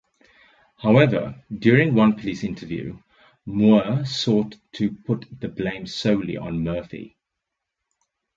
However, during one police interview, Moore sought to put the blame solely on Murphy.